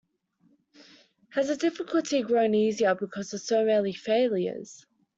Has the difficulty grown easier because of so many failures?